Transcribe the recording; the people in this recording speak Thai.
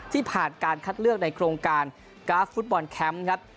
ที่ผ่านการคัดเลือกในโครงการกราฟฟุตบอลแคมป์ครับ